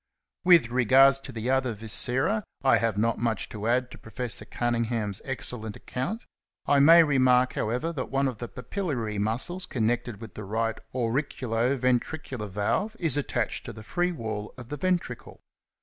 With regard to the other viscera, I have not much to add to Prof. Cunningham^s ^ excellent account ; I may remark, however, that one of the papillary muscles connected with the right auriculo ven tricular valve is attached to the free wall of the ventricle.